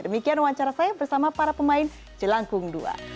demikian wawancara saya bersama para pemain di jalan kung dua